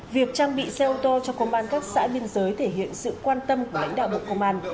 việc trang bị xe ô tô cho công an các xã biên giới thể hiện sự quan tâm của lãnh đạo bộ công an